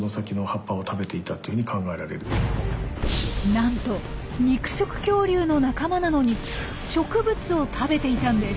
なんと肉食恐竜の仲間なのに植物を食べていたんです！